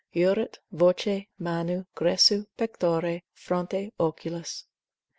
Urit—voce, manu, gressu, pectore, fronte, oculis.